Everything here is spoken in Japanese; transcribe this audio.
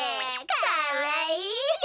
かわいい！